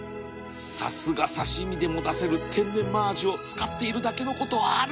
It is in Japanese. さすが刺身でも出せる天然マアジを使っているだけのことはある